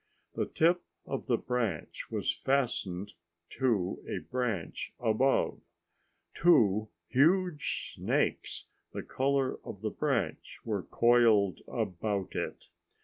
The tip of the branch was fastened to a branch above. Two huge snakes the color of the branch were coiled about it.